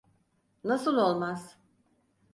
Nasıl olmaz?